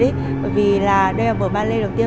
bởi vì đây là vụ ballet đầu tiên